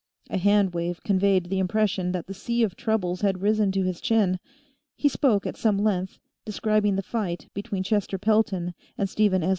A handwave conveyed the impression that the sea of troubles had risen to his chin. He spoke at some length, describing the fight between Chester Pelton and Stephen S.